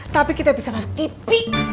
tapi kita bisa ngasih tv